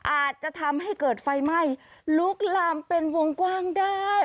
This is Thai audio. อาจจะทำให้เกิดไฟไหม้ลุกลามเป็นวงกว้างได้